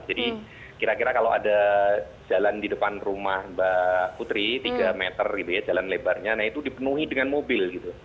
jadi kira kira kalau ada jalan di depan rumah mbak putri tiga meter gitu ya jalan lebarnya nah itu dipenuhi dengan mobil gitu